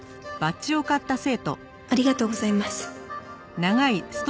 ありがとうございます。